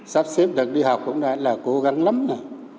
sắp xếp được đi học cũng là cố gắng lắm nè